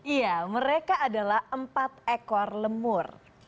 iya mereka adalah empat ekor lemur